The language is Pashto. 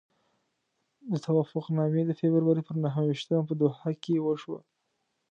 دا توافقنامه د فبروري پر نهه ویشتمه په دوحه کې وشوه.